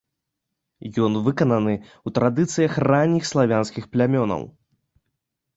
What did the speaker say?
Ён выкананы ў традыцыях ранніх славянскіх плямёнаў.